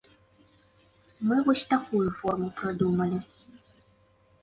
Мы вось такую форму прыдумалі.